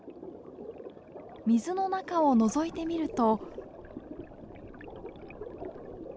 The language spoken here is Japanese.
水の中をのぞいてみると。